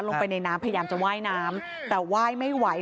ลงไปในน้ำพยายามจะไหว้น้ำแต่ว่ายไม่ไหว